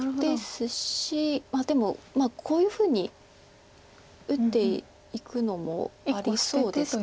まあでもこういうふうに打っていくのもありそうですか。